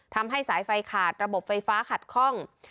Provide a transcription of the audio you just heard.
ทำให้สายไฟขาดระบบไฟฟ้าขัดคล่อง